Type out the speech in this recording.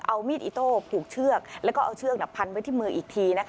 เอามีดอิโต้ผูกเชือกแล้วก็เอาเชือกพันไว้ที่มืออีกทีนะคะ